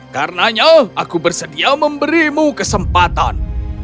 karena itu aku bersedia memberimu kesempatan